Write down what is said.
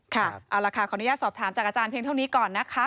ค่ะเอาล่ะค่ะขออนุญาตสอบถามจากอาจารย์เพียงเท่านี้ก่อนนะคะ